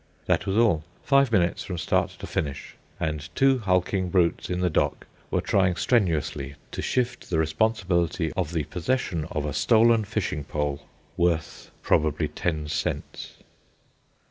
That was all, five minutes from start to finish; and two hulking brutes in the dock were trying strenuously to shift the responsibility of the possession of a stolen fishing pole, worth probably ten cents.